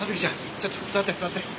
ちょっと座って座って。